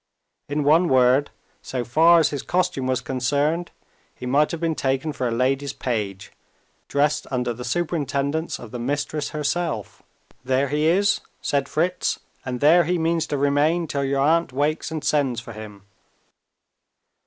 In one word, so far as his costume was concerned, he might have been taken for a lady's page, dressed under the superintendence of his mistress herself. "There he is!" said Fritz, "and there he means to remain, till your aunt wakes and sends for him."